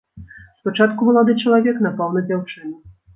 Спачатку малады чалавек напаў на дзяўчыну.